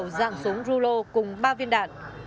dạng súng rulo cùng ba viên đạn